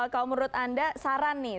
kalau menurut anda saran nih